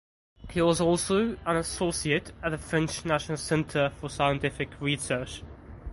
He was also an associate at the French National Centre for Scientific Research.